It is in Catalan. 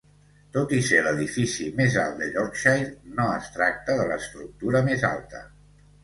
Tot i ser l'edifici més alt de Yorkshire, no es tracta de l'estructura més alta.